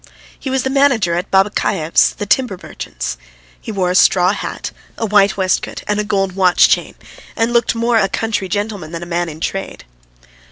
He was the manager at Babakayev's, the timber merchant's. He wore a straw hat, a white waistcoat, and a gold watch chain, and looked more a country gentleman than a man in trade.